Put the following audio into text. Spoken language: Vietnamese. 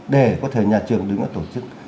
để có thể nhà trường đứng ở tổ chức